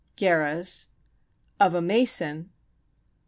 gerahs, of a mason